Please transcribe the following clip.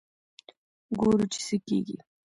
ګورو چې څه کېږي.